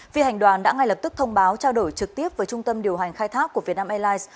phi hành đoàn đã ngay lập tức thông báo trao đổi trực tiếp với trung tâm điều hành khai thác của vietnam airlines